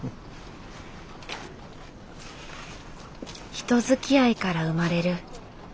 人づきあいから生まれる小さな喜び。